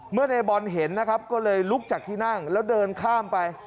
ในบอลเห็นนะครับก็เลยลุกจากที่นั่งแล้วเดินข้ามไป